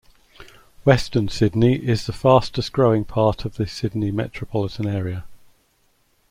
Western Sydney is the fastest growing part of the Sydney metropolitan area.